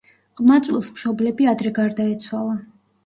ყმაწვილს მშობლები ადრე გარდაეცვალა.